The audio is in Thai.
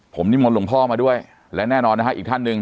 วันนี้หมอนหลวงพ่อมาด้วยและแน่นอนอีกท่านหนึ่ง